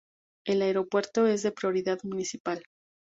El aeropuerto es de propiedad municipal.